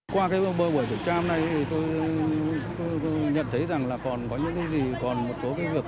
qua cái bơ bởi thủy trang này thì tôi nhận thấy rằng là còn có những cái gì còn một số cái việc